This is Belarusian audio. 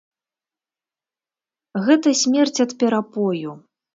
Гэта смерць ад перапою.